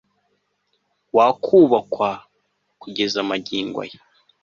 wakubakwa kugeza magingo aya